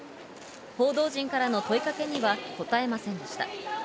報道陣からの問いかけには答えませんでした。